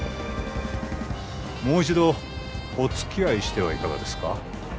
もう一度おつきあいしてはいかがですか？